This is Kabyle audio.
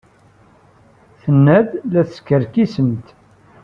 Tenna-d la teskerkisemt.